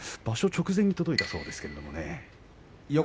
場所直前に届いたそうですけれどもね。